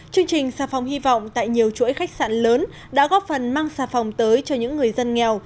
chương trình xà phòng hy vọng tại nhiều chuỗi khách sạn lớn đã góp phần mang xà phòng tới cho những người dân nghèo